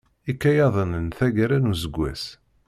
Ikayaden n taggara n useggas.